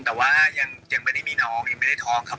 แต่ว่ายังไม่ได้มีน้องยังไม่ได้ท้องครับ